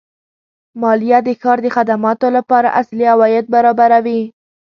مالیه د ښار د خدماتو لپاره اصلي عواید برابروي.